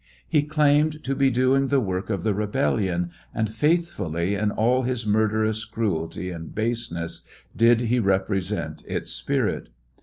He claimed to be doing the work of the rebellion, aiad faithfully, in all his murderous cruelty and baseness, did he represent its spirit.